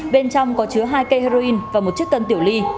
bên trong có chứa hai cây heroin và một chiếc tân tiểu ly